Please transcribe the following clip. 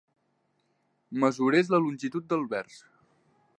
Mesurés la longitud del vers.